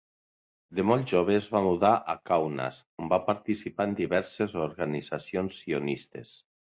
De molt jove es va mudar a Kaunas, on va participar en diverses organitzacions sionistes.